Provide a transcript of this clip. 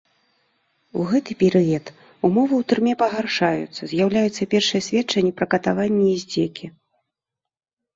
У гэты перыяд ўмовы ў турме пагаршаюцца, з'яўляюцца першыя сведчанні пра катаванні і здзекі.